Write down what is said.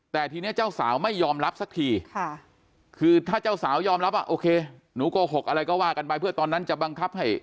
แต่ทีนี้เจ้าสาวไม่ยอมรับสักทีคือถ้าเจ้าสาวยอมรับว่าโอเคหนูโกหกอะไรก็ว่ากันไปเพื่อตอนนั้นจะบังคับให้